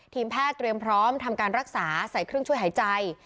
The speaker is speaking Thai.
ทีมแพทย์เตรียมพร้อมทำการรักษาใส่เครื่องช่วยหายใจ